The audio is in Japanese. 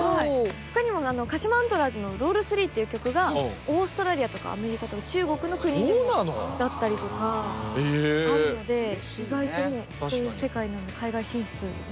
ほかにも鹿島アントラーズの「ロール３」っていう曲がオーストラリアとかアメリカとか中国の国にもだったりとかあるので意外とそういう世界海外進出も。